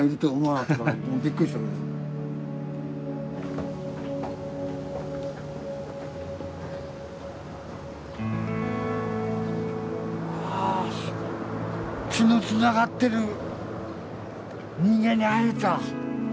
わあ血のつながってる人間に会えた！